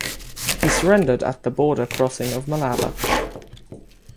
He surrendered at the border crossing of Malaba.